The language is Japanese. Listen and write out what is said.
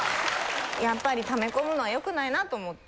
やっぱりため込むのは良くないなと思って。